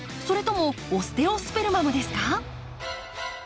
それともオステオスペルマムですか？